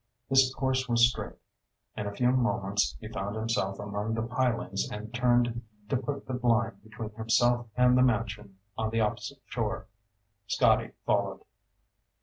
His course was straight. In a few moments he found himself among the pilings and turned to put the blind between himself and the mansion on the opposite shore. Scotty followed.